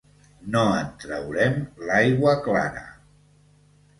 No en traurem l'aigua clara!